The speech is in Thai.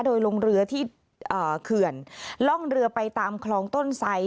โดยลงเรือที่เขื่อนล่องเรือไปตามคลองต้นไซด